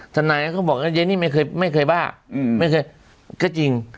ทนายเขาก็บอกว่าเยนี่ไม่เคยไม่เคยบ้าไม่เคยก็จริง